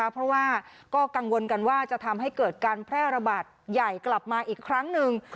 เพราะว่าก็กังวลกันว่าจะทำให้เกิดการแพร่ระบาดใหญ่กลับมาอีกครั้งหนึ่ง